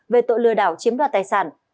về tội lừa đảo chiếm đoạt tài sản